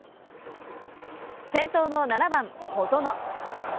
先頭の７番小園。